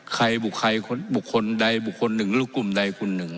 ใครบุคคลใดบุคคลหนึ่งหรือกลุ่มใดกลุ่มหนึ่ง